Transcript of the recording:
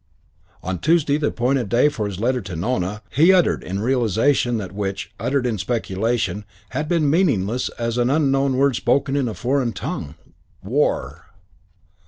On Tuesday, the day appointed for his letter to Nona, he uttered in realisation that which, uttered in speculation, had been meaningless as an unknown word spoken in a foreign tongue: "War!"